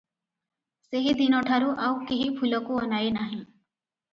ସେହି ଦିନଠାରୁ ଆଉ କେହି ଫୁଲକୁ ଅନାଏ ନାହିଁ ।